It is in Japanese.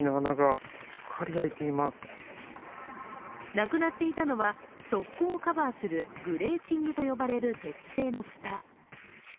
なくなっていたのは側溝をカバーするグレーチングとよばれる鉄製の蓋。